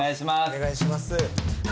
お願いします。